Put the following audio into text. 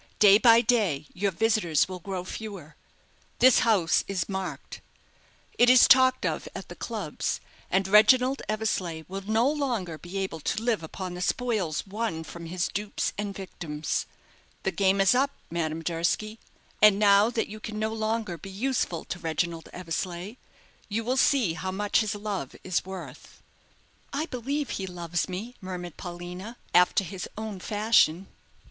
Day by day your visitors will grow fewer. This house is marked. It is talked of at the clubs; and Reginald Eversleigh will no longer be able to live upon the spoils won from his dupes and victims. The game is up, Madame Durski; and now that you can no longer be useful to Reginald Eversleigh, you will see how much his love is worth." "I believe he loves me," murmured Paulina, "after his own fashion."